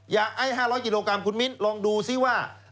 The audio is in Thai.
ไอ้๕๐๐กิโลกรัมคุณมิ้นลองดูซิว่า